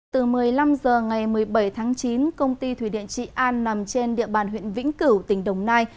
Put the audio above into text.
từ một mươi năm h ngày một mươi bảy tháng chín công ty thủy điện trị an nằm trên địa bàn huyện vĩnh cửu tỉnh đồng nai